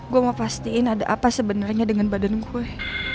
gue mau pastiin ada apa sebenarnya dengan badan gue